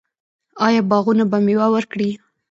آیا باغونه به میوه ورکړي؟